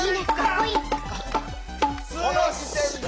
この時点で。